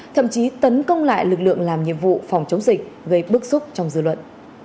thậm chí tấn công lại lực lượng làm nhiệm vụ phòng chống dịch gây bức xúc trong dư luận